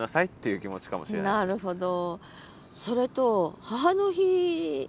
なるほど。